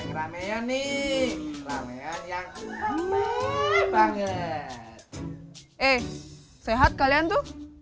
banget eh sehat kalian tuh